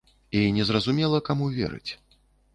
І незразумела каму верыць.